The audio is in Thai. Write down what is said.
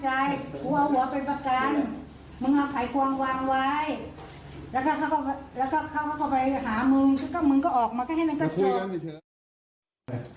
แล้วก็เข้ามาไปหามึงมึงก็ออกมาให้มันก็จบ